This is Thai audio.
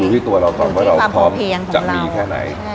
ที่ตัวเราก่อนว่าเราพร้อมจะมีแค่ไหน